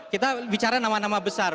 kita bicara nama nama besar